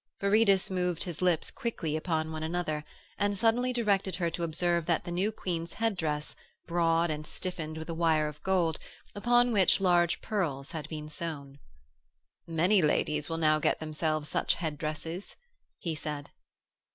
Viridus moved his lips quickly one upon another, and suddenly directed her to observe the new Queen's head dress, broad and stiffened with a wire of gold, upon which large pearls had been sewn. 'Many ladies will now get themselves such headdresses,' he said.